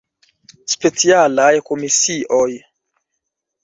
Specialaj Komisioj.